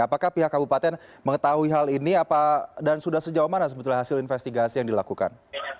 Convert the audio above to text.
apakah pihak kabupaten mengetahui hal ini dan sudah sejauh mana sebetulnya hasil investigasi yang dilakukan